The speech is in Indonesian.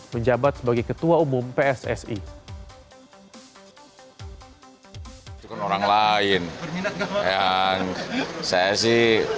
menjabat sebagai ketua umum pssi